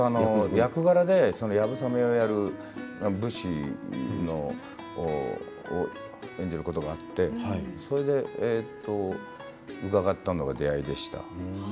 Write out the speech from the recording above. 役柄でやぶさめをやる武士を演じることがあってそれで伺ったのが、出会いでした。